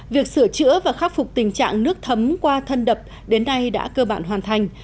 việc sửa chữa và khắc phục tình trạng nước thấm qua thân đập đến nay đã cơ bản hoàn thành